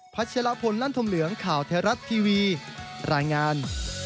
ัชรพลลั่นธมเหลืองข่าวไทยรัฐทีวีรายงาน